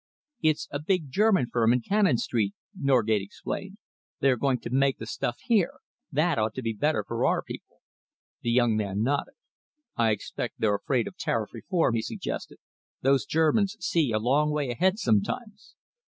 "It's a big German firm in Cannon Street," Norgate explained. "They are going to make the stuff here. That ought to be better for our people." The young man nodded. "I expect they're afraid of tariff reform," he suggested. "Those Germans see a long way ahead sometimes."